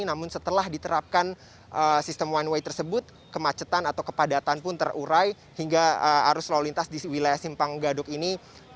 namun setelah diterapkan sistem one way tersebut kemacetan atau kepadatan pun terurai hingga arus lalu lintas di wilayah simpang gadok ini